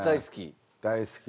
大好き？